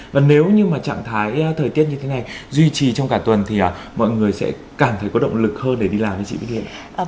và nếu như mà trạng thái thời tiết như thế này duy trì trong cả tuần thì mọi người sẽ cảm thấy có động lực hơn để đi làm cho chị như thế